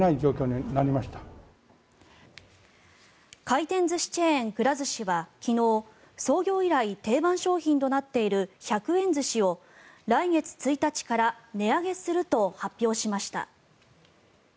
回転寿司チェーンくら寿司は昨日創業以来、定番商品となっている１００円寿司を来月１日から値上げすると発表しました。